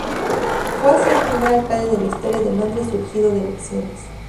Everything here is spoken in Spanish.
Fue así el primer alcalde de la historia de Londres surgido de elecciones.